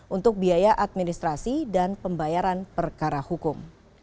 untuk biaya administrasi dan pembayaran perkara hukum